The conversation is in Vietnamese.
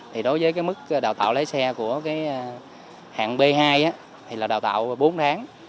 thì đối với cái mức đào tạo lái xe của cái hạng b hai á thì là đào tạo bốn tháng